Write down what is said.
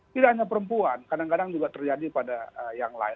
tidak hanya perempuan kadang kadang juga terjadi pada yang lain